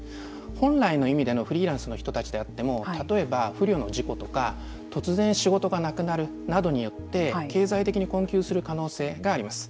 本来の意味でのフリーランスの人たちであっても例えば不慮の事故とか突然仕事がなくなるなどによって経済的に困窮する可能性があります。